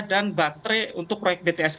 dan baterai untuk proyek bts ini